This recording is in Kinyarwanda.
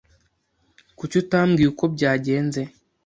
Kuki utambwiye uko byagenze?